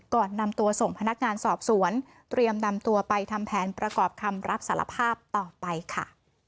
ก่อนนำตัวส่งพนักงานสอบสวนเตรียมนำตัวไปทำแผนประกอบคำรับสารภาพต่อไปค่ะ